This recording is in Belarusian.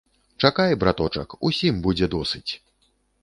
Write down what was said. Чакай, браточак, усім будзе досыць!